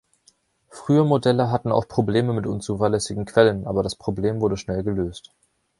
Frühe Modelle hatten auch Probleme mit unzuverlässigen Quellen, aber das Problem wurde schnell gelöst.